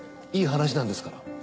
いい話なんですから。